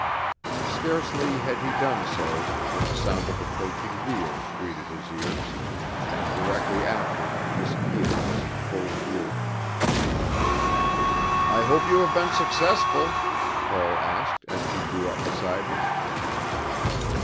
Scarcely had he done so when the sound of approaching wheels greeted his ears, and directly after Miss Guir was in full view. "I hope you have been successful," Paul asked as she drew up beside him.